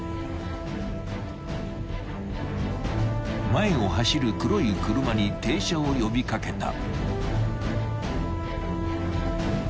［前を走る黒い車に停車を呼び掛けた］